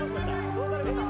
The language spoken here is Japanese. どうされました？